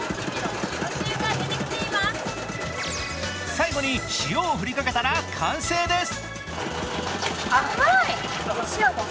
最後に塩を振りかけたら完成です。